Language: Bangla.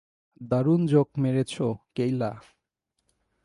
দারুণ জোক মেরেছো, কেয়লা।